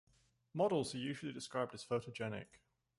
Models are usually described as photogenic.